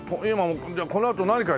このあと何か。